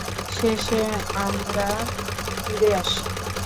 শেষে আমরা ফিরে আসি।